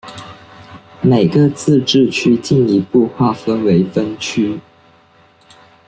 每个自治区进一步划分为分区。